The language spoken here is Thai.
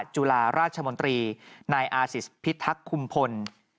จุฬาราชมนตรีนายอาศิษฐพิทักษ์คุมพล